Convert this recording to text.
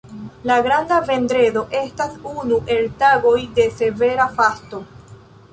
La Granda vendredo estas unu el tagoj de severa fasto.